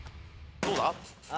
どうだ？